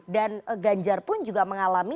dan ganjar pun juga mengalami